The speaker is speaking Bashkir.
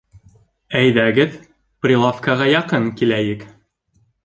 Әйҙәгеҙ, прилавкаға яҡын киләйек